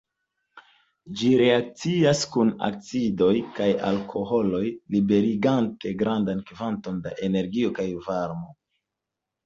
Ĝi reakcias kun acidoj kaj alkoholoj liberigante grandan kvanton da energio kaj varmo.